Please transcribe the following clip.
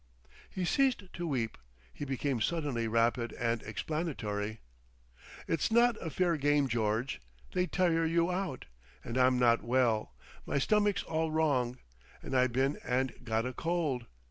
He ceased to weep. He became suddenly rapid and explanatory. "It's not a fair game, George. They tire you out. And I'm not well. My stomach's all wrong. And I been and got a cold.